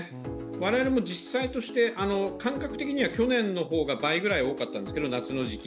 我々も実際として感覚としては去年の方が倍ぐらい多かったんですね、この時期。